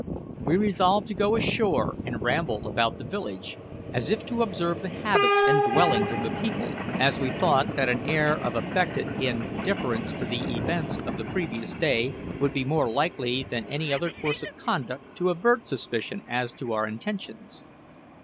We resolved to go ashore and ramble about the village, as if to observe the habits and dwellings of the people, as we thought that an air of affected indifference to the events of the previous day would be more likely than any other course of conduct to avert suspicion as to our intentions.